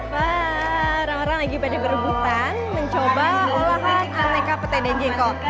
wah orang orang lagi pada berhubungan mencoba olahan aneka pete dan jengkol